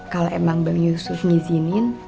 kalau emang bang yusuf ngizinin